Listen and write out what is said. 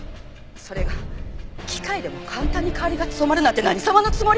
それが機械でも簡単に代わりが務まるなんて何様のつもり？